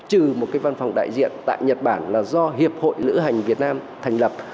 trừ một cái văn phòng đại diện tại nhật bản là do hiệp hội lữ hành việt nam thành lập